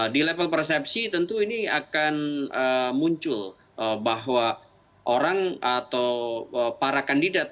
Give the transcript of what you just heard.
di level persepsi tentu ini akan muncul bahwa orang atau para kandidat